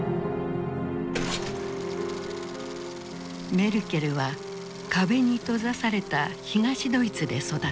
メルケルは壁に閉ざされた東ドイツで育った。